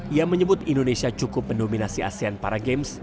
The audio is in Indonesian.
ia menyebut indonesia cukup mendominasi asean paragames